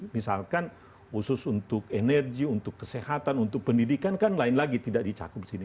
misalkan khusus untuk energi untuk kesehatan untuk pendidikan kan lain lagi tidak dicakup di sini